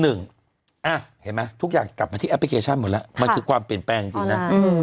เห็นไหมทุกอย่างกลับมาที่แอปพลิเคชันหมดแล้วมันคือความเปลี่ยนแปลงจริงนะ